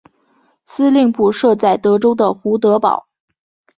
司令部设在德州的胡德堡。